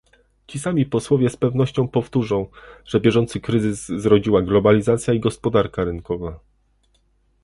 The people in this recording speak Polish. Ci sami posłowie z pewnością powtórzą, że bieżący kryzys zrodziła globalizacja i gospodarka rynkowa